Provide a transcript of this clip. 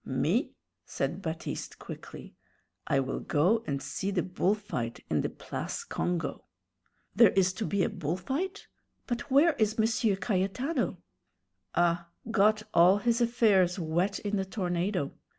"Me!" said Baptiste, quickly; "I will go and see the bull fight in the Place Congo." "There is to be a bull fight? But where is M. Cayetano?" "Ah, got all his affairs wet in the tornado.